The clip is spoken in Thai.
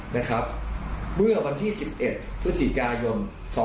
เมื่อวันที่๑๑พฤศจิกายน๒๕๖